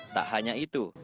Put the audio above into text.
tak hanya itu